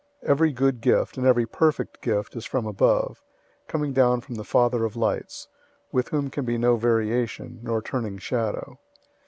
001:017 Every good gift and every perfect gift is from above, coming down from the Father of lights, with whom can be no variation, nor turning shadow.